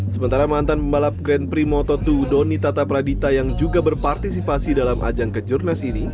sementara mantan pembalap grand prix moto dua doni tata pradita yang juga berpartisipasi dalam ajang kejurnas ini